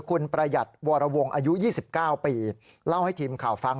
คุณประหยัดวรวงอายุ๒๙ปีเล่าให้ทีมข่าวฟัง